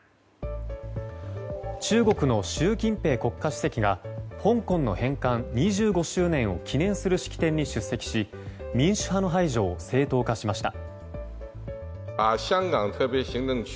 中国の習近平国家主席が香港の返還２５周年を記念する式典に出席し民主派の排除を正当化しました。